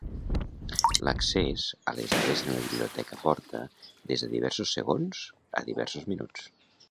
L'accés a les dades en una biblioteca porta des de diversos segons a diversos minuts.